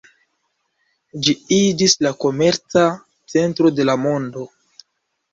Ĝi iĝis la komerca centro de la mondo.